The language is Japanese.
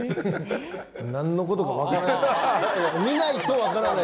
なんのことか分からない。